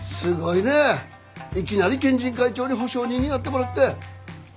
いきなり県人会長に保証人になってもらって。